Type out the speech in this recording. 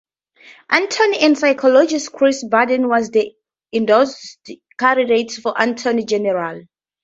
Attorney and psychologist Chris Barden was the endorsed candidate for attorney general.